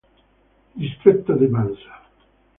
Distretto di Mansa